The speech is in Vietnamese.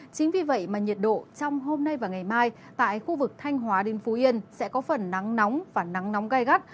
chính vì vậy mà nhiệt độ trong hôm nay và ngày mai tại khu vực thanh hóa đến phú yên sẽ có phần nắng nóng và nắng nóng gai gắt